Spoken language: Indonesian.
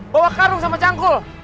bawa karung sama cangkul